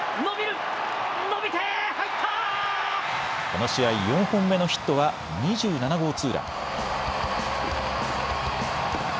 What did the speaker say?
この試合４本目のヒットは２７号ツーラン。